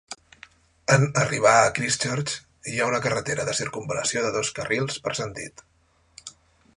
en arribar a Christchurch, hi ha una carretera de circumval·lació de dos carrils per sentit.